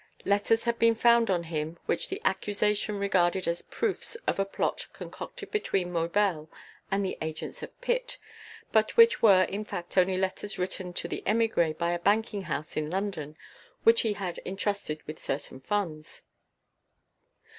Letters had been found on him which the accusation regarded as proofs of a plot concocted between Maubel and the agents of Pitt, but which were in fact only letters written to the émigré by a banking house in London which he had entrusted with certain funds.